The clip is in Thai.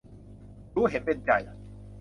รู้เห็นเป็นใจ